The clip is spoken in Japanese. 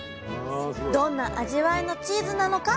どんな味わいのチーズなのか？